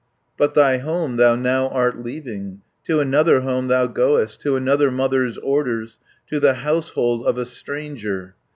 "But thy home thou now art leaving, To another home thou goest, To another mother's orders, To the household of a stranger.